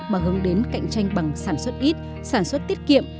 mà hướng đến cạnh tranh bằng sản xuất ít sản xuất tiết kiệm